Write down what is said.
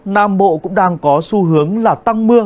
nam bộ cũng đang có xu hướng là tăng mưa